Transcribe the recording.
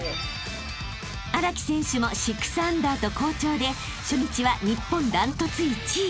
［荒木選手も６アンダーと好調で初日は日本断トツ１位］